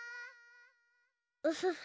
ウフフ。